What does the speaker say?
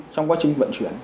trong quá trình vận chuyển